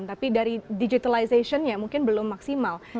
tapi dari digitalization nya mungkin belum maksimal